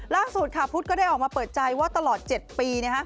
ล่าสุดค่ะพุทธก็ได้ออกมาเปิดใจว่าตลอด๗ปี